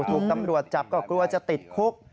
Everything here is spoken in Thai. ถูกตำรวจจับก็กลัวจะติดคุก